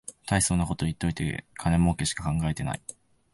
たいそうなこと言っといて金もうけしか考えてない